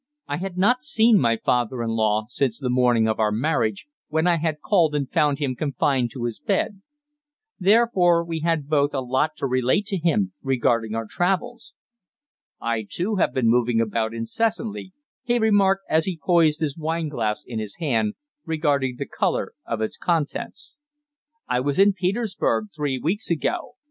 I had not seen my father in law since the morning of our marriage, when I had called, and found him confined to his bed. Therefore we had both a lot to relate to him regarding our travels. "I, too, have been moving about incessantly," he remarked, as he poised his wine glass in his hand, regarding the colour of its contents. "I was in Petersburg three weeks ago.